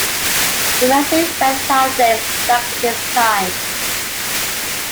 The massive west tower dates back to this time.